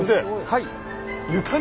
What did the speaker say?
はい。